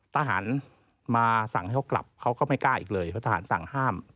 ทหารมาสั่งให้เขากลับเขาก็ไม่กล้าอีกเลยเพราะทหารสั่งห้าม